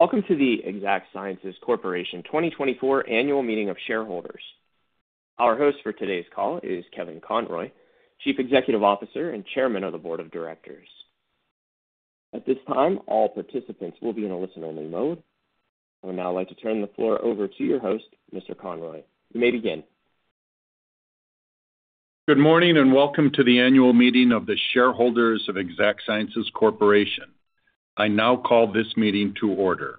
Welcome to the Exact Sciences Corporation 2024 Annual Meeting of Shareholders. Our host for today's call is Kevin Conroy, Chief Executive Officer and Chairman of the Board of Directors. At this time, all participants will be in a listen-only mode. I would now like to turn the floor over to your host, Mr. Conroy. You may begin. Good morning, and welcome to the annual meeting of the shareholders of Exact Sciences Corporation. I now call this meeting to order.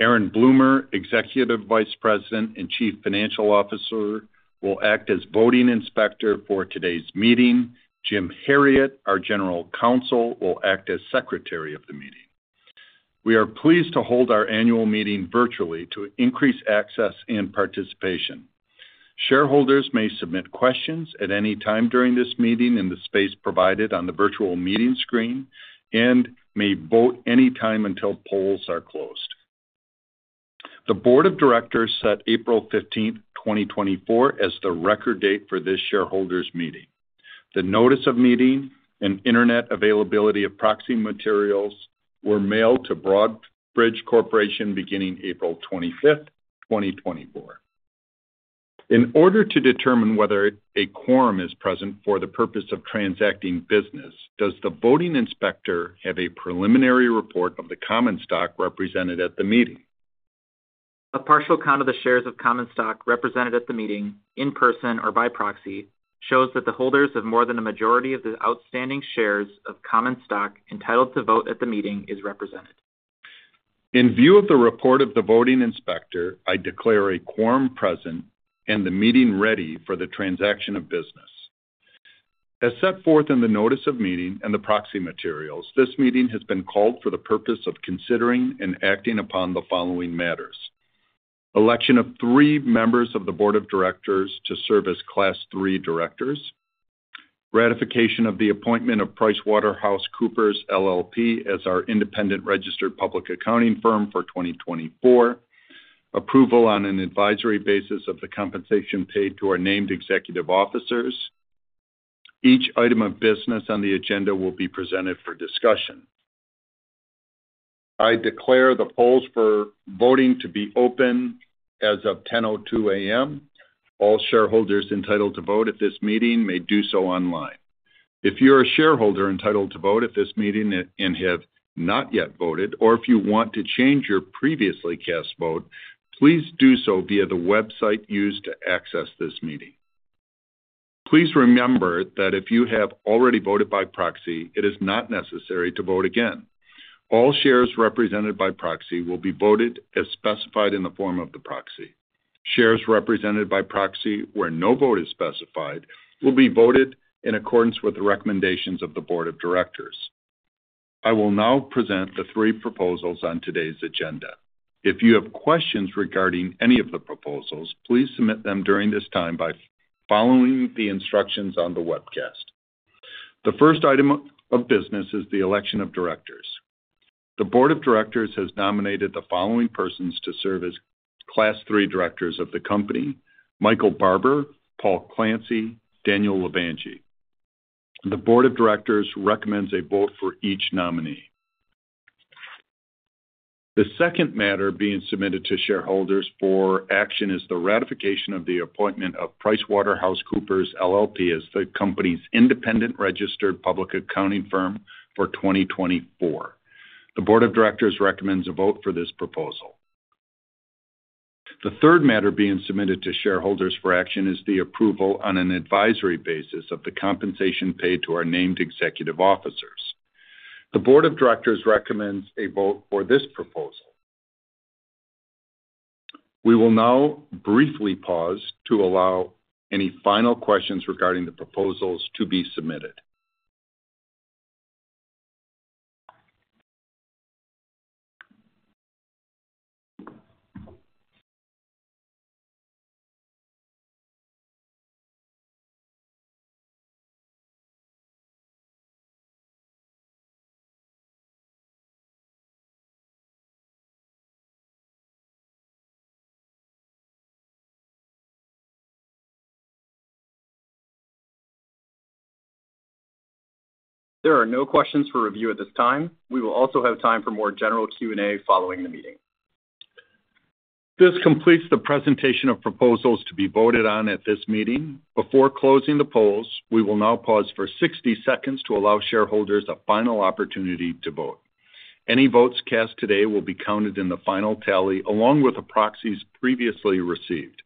Aaron Bloomer, Executive Vice President and Chief Financial Officer, will act as voting inspector for today's meeting. James Herriott, our General Counsel, will act as Secretary of the meeting. We are pleased to hold our annual meeting virtually to increase access and participation. Shareholders may submit questions at any time during this meeting in the space provided on the virtual meeting screen and may vote any time until polls are closed. The board of directors set April 15th, 2024, as the record date for this shareholders meeting. The notice of meeting and internet availability of proxy materials were mailed to Broadridge Financial Solutions beginning April 25th, 2024. In order to determine whether a quorum is present for the purpose of transacting business, does the voting inspector have a preliminary report of the common stock represented at the meeting? A partial count of the shares of common stock represented at the meeting, in person or by proxy, shows that the holders of more than a majority of the outstanding shares of common stock entitled to vote at the meeting is represented. In view of the report of the voting inspector, I declare a quorum present and the meeting ready for the transaction of business. As set forth in the notice of meeting and the proxy materials, this meeting has been called for the purpose of considering and acting upon the following matters: election of three members of the board of directors to serve as Class III directors, ratification of the appointment of PricewaterhouseCoopers LLP as our independent registered public accounting firm for 2024, approval on an advisory basis of the compensation paid to our named executive officers. Each item of business on the agenda will be presented for discussion. I declare the polls for voting to be open as of 10:02 A.M. All shareholders entitled to vote at this meeting may do so online. If you're a shareholder entitled to vote at this meeting and have not yet voted, or if you want to change your previously cast vote, please do so via the website used to access this meeting. Please remember that if you have already voted by proxy, it is not necessary to vote again. All shares represented by proxy will be voted as specified in the form of the proxy. Shares represented by proxy, where no vote is specified, will be voted in accordance with the recommendations of the board of directors. I will now present the three proposals on today's agenda. If you have questions regarding any of the proposals, please submit them during this time by following the instructions on the webcast. The first item of business is the election of directors. The board of directors has nominated the following persons to serve as Class III directors of the company: Michael Barber, Paul Clancy, Daniel Levangie. The board of directors recommends a vote for each nominee. The second matter being submitted to shareholders for action is the ratification of the appointment of PricewaterhouseCoopers LLP as the company's independent registered public accounting firm for 2024. The board of directors recommends a vote for this proposal. The third matter being submitted to shareholders for action is the approval on an advisory basis of the compensation paid to our named executive officers. The board of directors recommends a vote for this proposal. We will now briefly pause to allow any final questions regarding the proposals to be submitted. There are no questions for review at this time. We will also have time for more general Q&A following the meeting. This completes the presentation of proposals to be voted on at this meeting. Before closing the polls, we will now pause for 60 seconds to allow shareholders a final opportunity to vote. Any votes cast today will be counted in the final tally, along with the proxies previously received.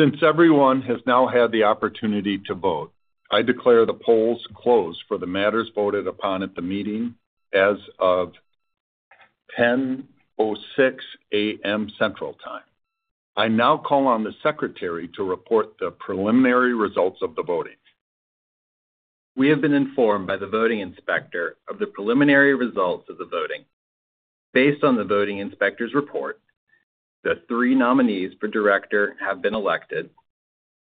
Since everyone has now had the opportunity to vote, I declare the polls closed for the matters voted upon at the meeting as of 10:06 A.M. Central Time. I now call on the secretary to report the preliminary results of the voting. We have been informed by the voting inspector of the preliminary results of the voting. Based on the voting inspector's report, the three nominees for director have been elected.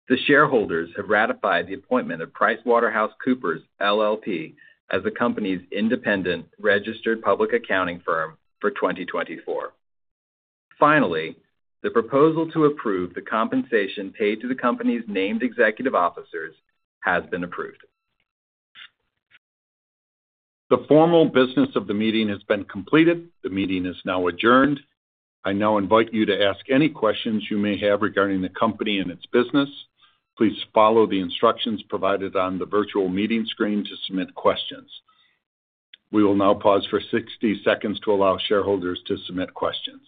The shareholders have ratified the appointment of PricewaterhouseCoopers LLP as the company's independent registered public accounting firm for 2024. Finally, the proposal to approve the compensation paid to the company's named executive officers has been approved. The formal business of the meeting has been completed. The meeting is now adjourned. I now invite you to ask any questions you may have regarding the company and its business. Please follow the instructions provided on the virtual meeting screen to submit questions. We will now pause for 60 seconds to allow shareholders to submit questions.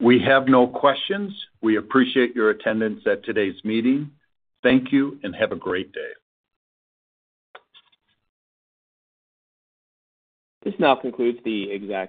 We have no questions. We appreciate your attendance at today's meeting. Thank you, and have a great day. This now concludes the exact-